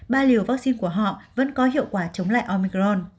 ba liều vaccine của họ vẫn có hiệu quả chống lại omicron